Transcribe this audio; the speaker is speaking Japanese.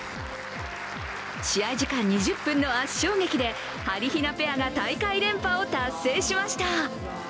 試合時間２０分の圧勝劇ではりひなペアが大会連覇を達成しました。